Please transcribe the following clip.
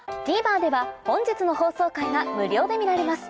ＴＶｅｒでは本日の放送回が無料で見られます